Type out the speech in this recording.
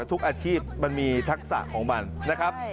ทุกอาชีพมันมีทักษะของมันนะครับ